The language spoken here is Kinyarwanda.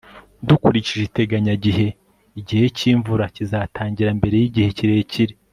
dukurikije iteganyagihe, igihe cy'imvura kizatangira mbere yigihe kirekire